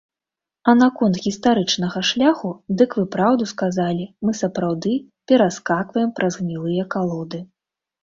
А наконт гістарычнага шляху, дык вы праўду сказалі, мы сапраўды пераскакваем праз гнілыя калоды.